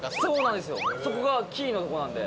そこがキーのとこなんで。